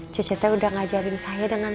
cucu teh udah ngajarin saya dengan senang